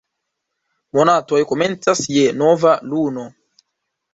Monatoj komencas je nova luno.